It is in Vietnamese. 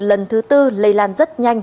lần thứ bốn lây lan rất nhanh